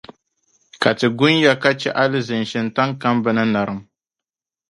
Ka Ti gunya ka chɛ alizin’ shintaŋ kam bɛ ni narim.